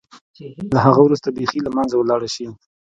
له هغه وروسته بېخي له منځه ولاړه شي.